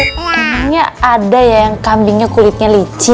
bumbunya ada ya yang kambingnya kulitnya licin